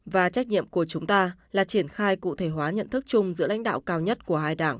và trách nhiệm của chúng ta là triển khai cụ thể hóa nhận thức chung giữa lãnh đạo cao nhất của hai đảng